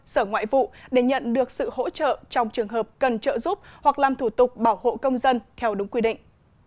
sở ngoại vụ để nhận được sự hỗ trợ trong trường hợp cần trợ giúp hoặc làm thủ tục bảo hộ công dân theo đúng quy định